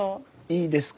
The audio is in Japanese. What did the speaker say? いいですか？